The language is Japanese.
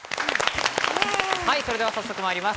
それでは早速まいります。